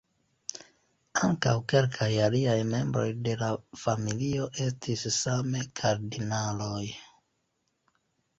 Ankaŭ kelkaj aliaj membroj de la familio estis same kardinaloj.